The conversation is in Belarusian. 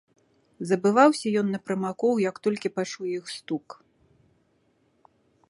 Забываўся ён на прымакоў, як толькі пачуе іх стук.